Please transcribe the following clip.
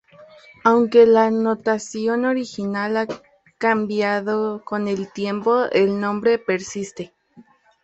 Aunque la notación original ha cambiado con el tiempo, el nombre persiste.